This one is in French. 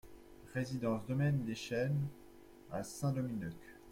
Résidence Domaine des Chenes à Saint-Domineuc